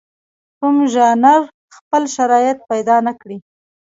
کوم ژانر خپل شرایط پیدا نکړي.